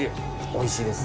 おいしいです。